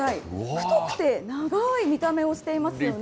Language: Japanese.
太くて長い見た目をしていますよね。